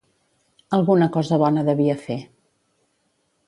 Alguna cosa bona devia fer.